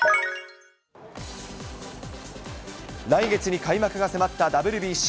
来月に開幕が迫ったＷＢＣ。